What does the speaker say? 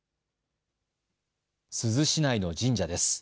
珠洲市内の神社です。